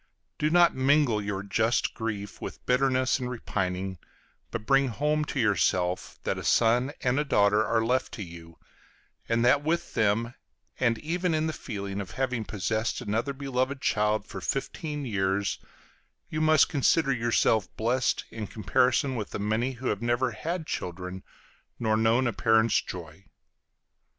Do not mingle your just grief with bitterness and repining, but bring home to yourself that a son and a daughter are left to you, and that with them, and even in the feeling of having possessed another beloved child for fifteen years, you must consider yourself blessed in comparison with the many who have never had children nor known a parent's joy.